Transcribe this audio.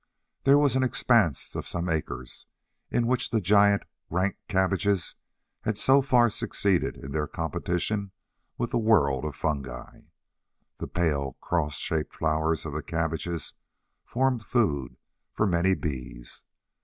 There was an expanse of some acres in which the giant, rank cabbages had so far succeeded in their competition with the world of fungi. The pale, cross shaped flowers of the cabbages formed food for many bees.